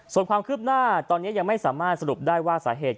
ส่วนความคืบหน้าตอนนี้ยังไม่สามารถสรุปได้ว่าสาเหตุ